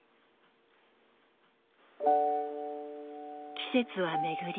季節は巡り